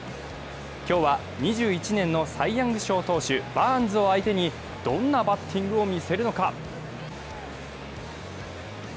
今日は２１年のサイ・ヤング賞投手・バーンズを相手にどんなバッティングを見せるのか。